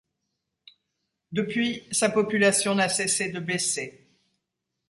Depuis, sa population n'a cessé de baisser.